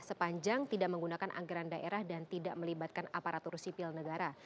sepanjang tidak menggunakan anggaran daerah dan tidak melibatkan aparatur sipil negara